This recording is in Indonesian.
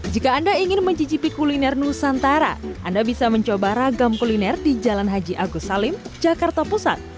jika anda ingin mencicipi kuliner nusantara anda bisa mencoba ragam kuliner di jalan haji agus salim jakarta pusat